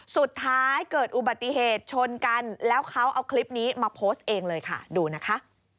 สุดท้ายเกิดอุบัติเหตุชนกันแล้วเขาเอาคลิปนี้มาโพสต์เองเลยค่ะดูนะคะ